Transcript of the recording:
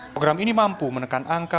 program ini mampu menekan angka